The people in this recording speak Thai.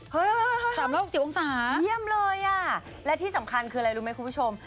๓๖๐องศาเยี่ยมเลยอ่ะและที่สำคัญคืออะไรรู้ไหมคุณผู้ชม